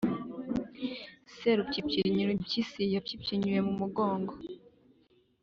Serupyipyinyura impyisi yampyipyinyuye mu mugongo